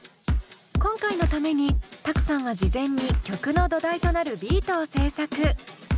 今回のためにＴＡＫＵさんは事前に曲の土台となるビートを制作。